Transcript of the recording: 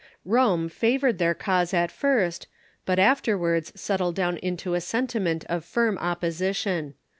Rome favored their cause at first, but afterwards settled down into a sentiment of firm opposition.